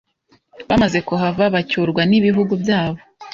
bamaze kuhava bacyurwa n'ibihugu byabo